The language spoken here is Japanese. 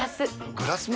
グラスも？